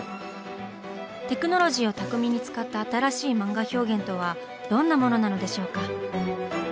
テクノロジーを巧みに使った新しい漫画表現とはどんなものなのでしょうか？